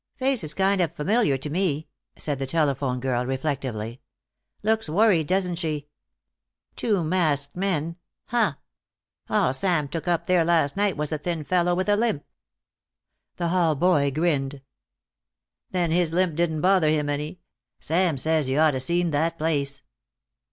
"Face's kind of familiar to me," said the telephone girl, reflectively. "Looks worried, doesn't she? Two masked men! Huh! All Sam took up there last night was a thin fellow with a limp." The hall boy grinned. "Then his limp didn't bother him any. Sam says y'ought to seen that place."